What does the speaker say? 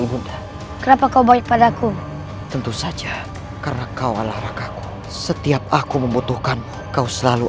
ibunda kenapa kau baik padaku tentu saja karena kau olahragaku setiap aku membutuhkan kau selalu